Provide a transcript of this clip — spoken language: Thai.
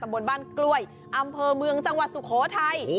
บนบ้านกล้วยอำเภอเมืองจังหวัดสุโขทัย